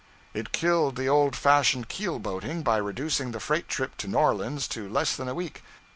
It killed the old fashioned keel boating, by reducing the freight trip to New Orleans to less than a week.